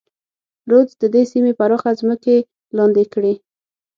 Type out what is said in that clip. رودز د دې سیمې پراخه ځمکې لاندې کړې.